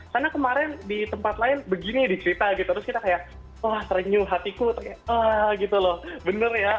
karena kemarin di tempat lain begini dicerita gitu terus kita kayak wah serenyu hatiku kayak aah gitu loh bener ya